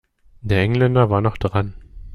Der Engländer war noch dran.